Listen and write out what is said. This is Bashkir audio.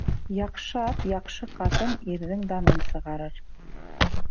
Яҡшы ат, яҡшы ҡатын ирҙең данын сығарыр.